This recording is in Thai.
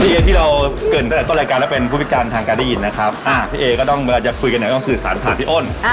เอที่เราเกิดตั้งแต่ต้นรายการแล้วเป็นผู้พิการทางการได้ยินนะครับพี่เอก็ต้องเวลาจะคุยกันเนี่ยต้องสื่อสารผ่านพี่อ้น